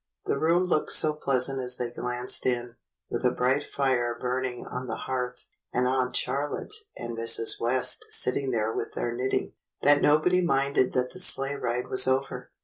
The room looked so pleasant as they glanced in, with a bright fire burn ing on the hearth, and Aunt Charlotte and Mrs. West sitting there with their knitting, that nobody minded that the sleigh ride was over.